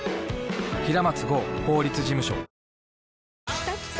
きたきた！